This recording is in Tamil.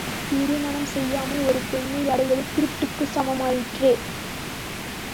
திருமணம் செய்யாமல் ஒரு பெண்ணையடைவது திருட்டுக்குச் சமமாயிற்றே!